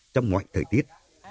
trong mọi thời tiết